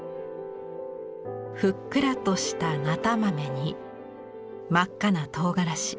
ふっくらとしたなた豆に真っ赤なとうがらし。